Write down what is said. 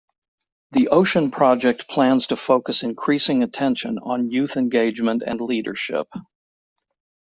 The Ocean Project plans to focus increasing attention on youth engagement and -leadership.